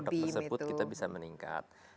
dari produk tersebut kita bisa meningkat